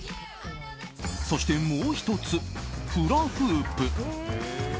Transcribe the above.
そして、もう１つフラフープ。